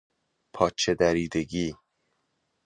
پاچه دریدگی